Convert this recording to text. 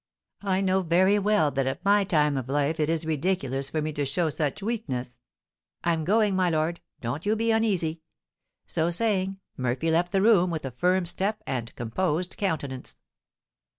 "I know very well that at my time of life it is ridiculous for me to show such weakness! I'm going, my lord, don't you be uneasy!" So saying, Murphy left the room with a firm step and composed countenance.